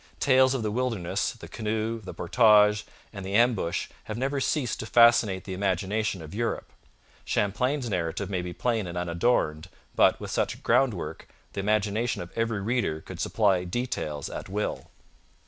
Tales of the wilderness, the canoe, the portage, and the ambush have never ceased to fascinate the imagination of Europe. Champlain's narrative may be plain and unadorned, but, with such a groundwork, the imagination of every reader could supply details at will.